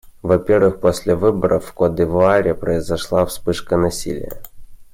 Во-первых, после выборов в Кот-д'Ивуаре произошла вспышка насилия.